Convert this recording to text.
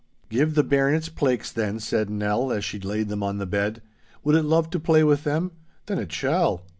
'Give the bairn its plaiks, then,' said Nell, as she laid them on the bed. 'Would it love to play with them? Then it shall!